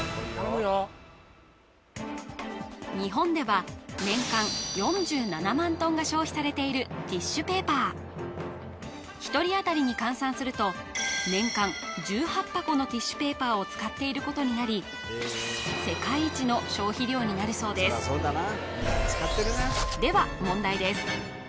日本では年間４７万トンが消費されているティッシュペーパー１人あたりに換算すると年間１８箱のティッシュペーパーを使っていることになり世界一の消費量になるそうですでは問題です